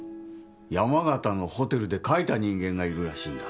山形のホテルで書いた人間がいるらしいんだ。